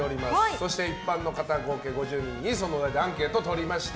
そして一般の方合計５０人にアンケートを取りました。